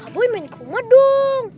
kaboy main kerumah dong